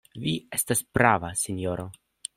Vi estas prava, sinjoro.